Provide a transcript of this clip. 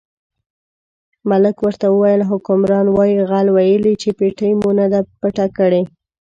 ملک ورته وویل حکمران وایي غل ویلي چې پېټۍ مو نه ده پټه کړې.